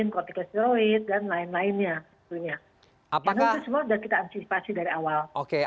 dan itu semua sudah kita antisipasi dari awal